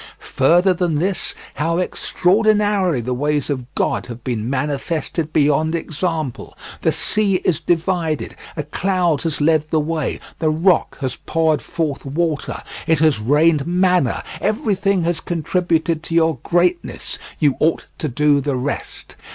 Further than this, how extraordinarily the ways of God have been manifested beyond example: the sea is divided, a cloud has led the way, the rock has poured forth water, it has rained manna, everything has contributed to your greatness; you ought to do the rest.